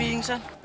ya ada pingsan